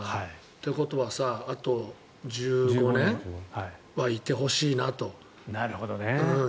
ってことはあと１５年はいてほしいなと。